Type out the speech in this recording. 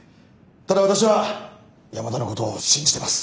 ただ私は山田のことを信じてます。